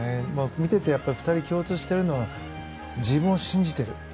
見ていて２人共通しているのは自分を信じている。